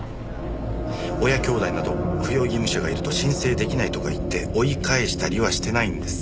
親兄弟など扶養義務者がいると申請できないとか言って追い返したりはしてないんですね？